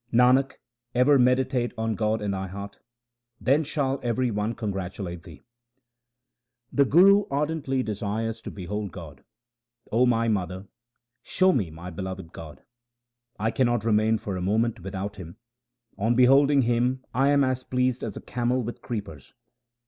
Nanak, ever meditate on God in thy heart, then shall every one congratulate thee. The Guru ardently desires to behold God :— 0 my mother, show me my beloved God : 1 cannot remain for a moment without Him ; on beholding Him I am as pleased as a camel with creepers.